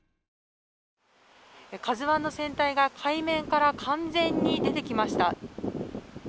「ＫＡＺＵ１」の船体が海面から完全に出てきました。